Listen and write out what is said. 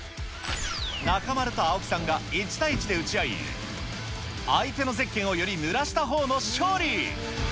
中丸と青木さんが１対１で撃ち合い、相手のゼッケンをよりぬらしたほうの勝利。